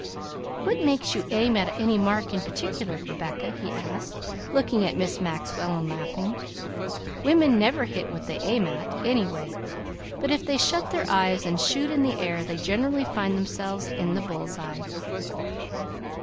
"What makes you aim at any mark in particular, Rebecca?" he asked, looking at Miss Maxwell and laughing. "Women never hit what they aim at, anyway; but if they shut their eyes and shoot in the air they generally find themselves in the bull's eye."